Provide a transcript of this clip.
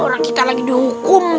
orang kita lagi dihukum